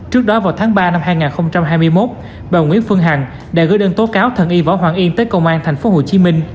trước đó vào tháng ba năm hai nghìn hai mươi một bà nguyễn phương hằng đã gửi đơn tố cáo thần y võ hoàng yên tới công an tp hcm